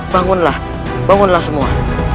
bangunlah bangunlah semua